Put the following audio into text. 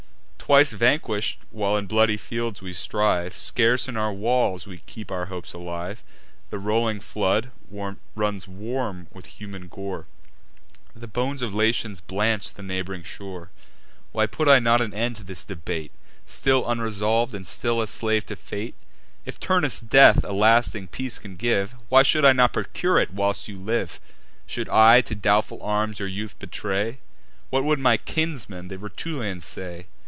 Twice vanquish'd while in bloody fields we strive, Scarce in our walls we keep our hopes alive: The rolling flood runs warm with human gore; The bones of Latians blanch the neighb'ring shore. Why put I not an end to this debate, Still unresolv'd, and still a slave to fate? If Turnus' death a lasting peace can give, Why should I not procure it whilst you live? Should I to doubtful arms your youth betray, What would my kinsmen, the Rutulians, say?